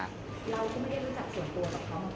เราก็ไม่ได้รู้จักส่วนตัวกับเขานะ